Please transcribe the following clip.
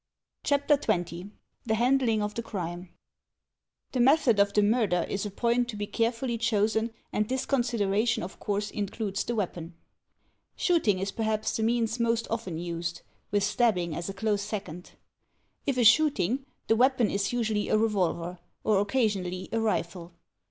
/ CHAPTER XX THE HANDLING OF THE CRIME The method of the murder is a point to be carefully chosen and this consideration of course includes the weapon. Shooting is perhaps the means most often used, with stabbing as a close second. If a shooting, the weapon is usually a revolver, or occasionally a rifle.